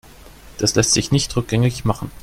Das lässt sich nicht rückgängig machen.